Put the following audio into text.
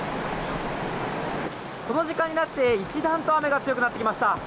この時間になって一段と雨が強くなってきました。